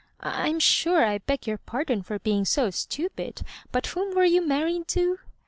"I am sure I beg your pardon for being so stupid ; but whom were you married to?"